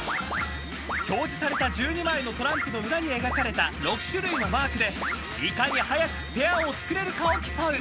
［表示された１２枚のトランプの裏に描かれた６種類のマークでいかに早くペアを作れるかを競う］